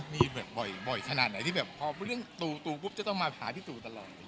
มีบ่อยขนาดไหนที่พอเรื่องตู่ตู่กุ๊บจะต้องมาหาที่ตู่ตลอด